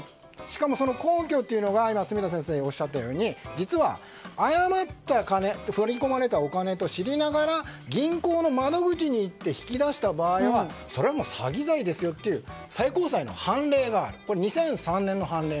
しかもその根拠は住田先生がおっしゃったように実は誤って振り込まれたお金と知りながら銀行の窓口に行って引き出した場合はそれも詐欺罪ですよという２００３年の最高裁の判例がある。